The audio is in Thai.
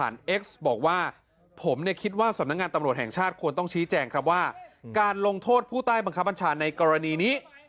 ต้องชี้แจกครับว่าการลงโทษผู้ใต้บังคับถังชาญในกรณีนี้